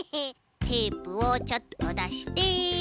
テープをちょっとだして。